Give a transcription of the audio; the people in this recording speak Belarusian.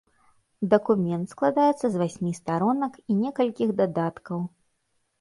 Дакумент складаецца з васьмі старонак і некалькіх дадаткаў.